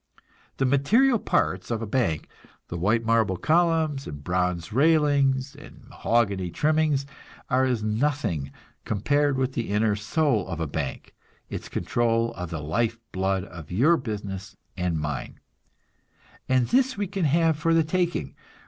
The material parts of a bank, the white marble columns and bronze railings and mahogany trimmings, are as nothing compared with the inner soul of a bank, its control of the life blood of your business and mine; and this we can have for the taking.